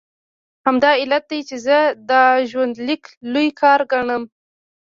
همدا علت دی چې زه دا ژوندلیک لوی کار ګڼم.